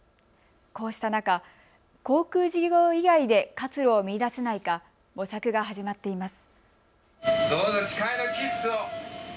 こうした中、航空事業以外で活路を見いだせないか模索が始まっています。